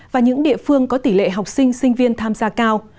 và những địa phương có tỷ lệ học sinh sinh viên tham gia cao